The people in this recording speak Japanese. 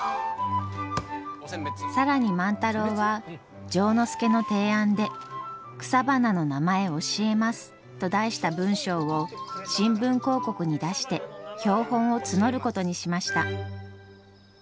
更に万太郎は丈之助の提案で「草花の名前教えます」と題した文章を新聞広告に出して標本を募ることにしました。